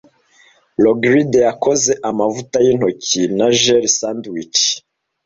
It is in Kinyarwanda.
Rogride yakoze amavuta yintoki na jelly sandwich.